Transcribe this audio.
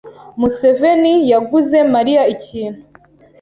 Museveni yaguze Mariya ikintu.